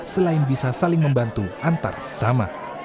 selain bisa saling membantu antarsama